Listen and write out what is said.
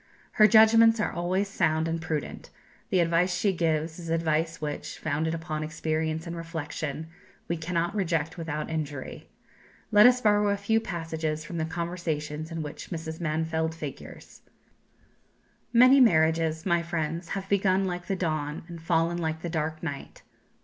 Her judgments are always sound and prudent; the advice she gives is advice which, founded upon experience and reflection, we cannot reject without injury. Let us borrow a few passages from the conversations in which Mrs. Mansfeld figures: "Many marriages, my friends, have begun like the dawn, and fallen like the dark night.